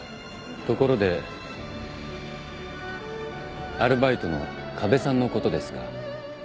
ところでアルバイトの河辺さんのことですが